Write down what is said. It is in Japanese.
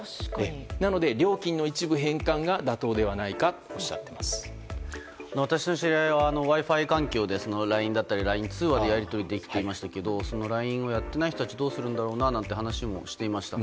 なので、料金の一部返還が妥当ではないかと私の知り合いはＷｉ‐Ｆｉ環境でＬＩＮＥやＬＩＮＥ通話でやり取りできていましたけどＬＩＮＥをやっていない人たちはどうするんだと話していました。